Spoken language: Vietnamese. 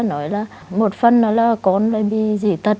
nói là một phần là con lại bị dị tật